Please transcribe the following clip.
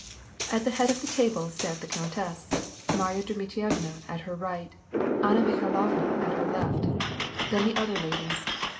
At the head of the table sat the countess, Marya Dmitrievna at her right, Anna Mikhailovna at her left ; then the other ladies.